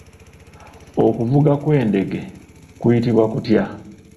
Okuvuga kw’endege kuyitibwa kutya?